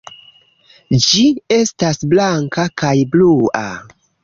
Ĝi estas blanka kaj blua.